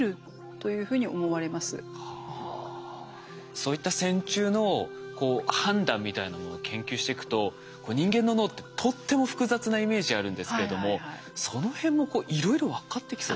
そういった線虫の判断みたいなものを研究していくと人間の脳ってとっても複雑なイメージあるんですけれどもそのへんもいろいろ分かってきそうですよね？